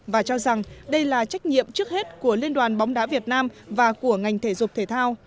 và cho rằng đây là trách nhiệm trước hết của liên đoàn bóng đá việt nam và của ngành thể dục thể thao